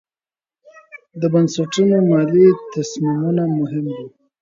د بنسټونو مالي تصمیمونه مهم دي.